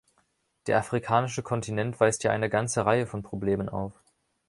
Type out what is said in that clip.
Der afrikanische Kontinent weist ja eine ganze Reihe von Problemen auf.